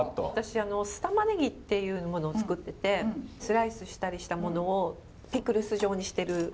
私酢玉ねぎっていうものを作っててスライスしたりしたものをピクルス状にしてる。